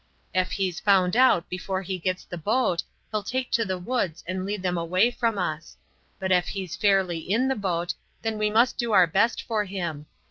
Ef he's found out before he gets the boat he'll take to the woods and lead them away from us; but ef he's fairly in the boat, then we must do our best for him.